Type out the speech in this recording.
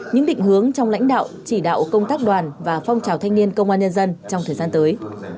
những định hướng trong lãnh đạo chỉ đạo công tác đoàn và phong trào thanh niên công an nhân dân trong thời gian tới